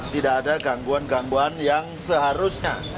tidak ada gangguan gangguan yang seharusnya